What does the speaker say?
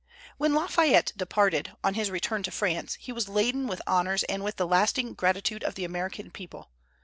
When Lafayette departed, on his return to France, he was laden with honors and with the lasting gratitude of the American people.